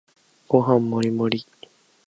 ご飯もりもり